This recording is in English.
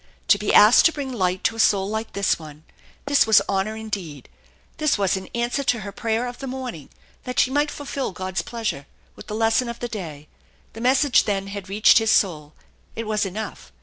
To be asked to bring light to a soul like this one, this was honor indeed. This was an answer to her prayer of the morning, that she might fulfil God's pleasure with the lesson of the day. The message then had reached his soul. It was enough.